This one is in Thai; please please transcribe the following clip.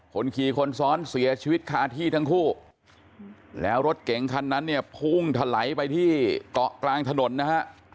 คนขี่คนซ้อนเสียชีวิตคาที่ทั้งคู่แล้วรถเก๋งคันนั้นเนี่ยพุ่งถลายไปที่เกาะกลางถนนนะฮะ